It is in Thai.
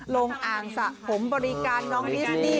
อ่างสะผมบริการน้องดิสนี่